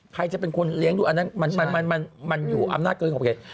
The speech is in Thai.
ใครจะเป็นคนเลี้ยงลูกมันอยู่อำนาจเกิดของเขา